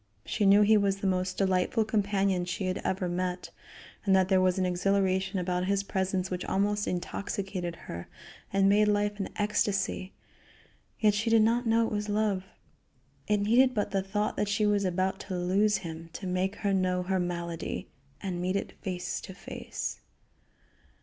She knew he was the most delightful companion she had ever met, and that there was an exhilaration about his presence which almost intoxicated her and made life an ecstasy, yet she did not know it was love. It needed but the thought that she was about to lose him to make her know her malady, and meet it face to face.